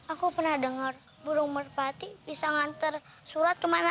aku pernah dengar burung merpati bisa ngantar surat ke mana air